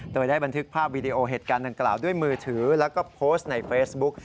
โดยได้บันทึกภาพวีดีโอเหตุการณ์ดังกล่าวด้วยมือถือแล้วก็โพสต์ในเฟซบุ๊ก